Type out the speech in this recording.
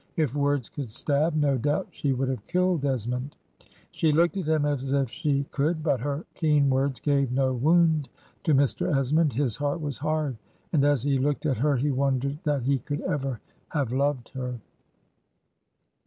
If words could stab, no doubt she would have killed. Esmond. She looked at him as if she could. But her keen words gave no wound to Mr. Esmond; his heart was hard. And as he looked at her he wondered that he could ever have loved her."